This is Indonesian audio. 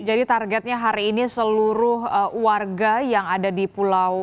targetnya hari ini seluruh warga yang ada di pulau